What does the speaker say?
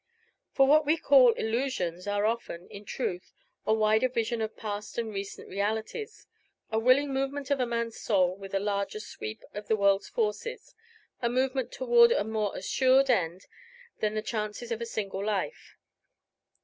For what we call illusions are often, in truth, a wider vision of past and recent realities a willing movement of a man's soul with the larger sweep of the world's forces a movement toward a more assured end than the chances of a single life.